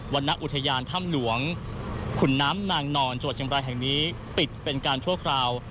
รณอุทยานถ้ำหลวงขุนน้ำนางนอนจังหวัดเชียงบรายแห่งนี้ปิดเป็นการชั่วคราว